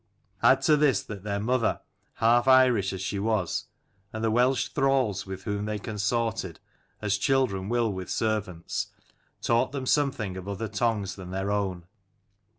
Add to this that their mother, half Irish as she was, and the Welsh thralls with whom they consorted, as children will with servants, taught them something of other tongues than their own.